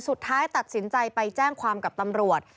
สุดท้ายตัดสินใจไปแจ้งความกับตำรวจ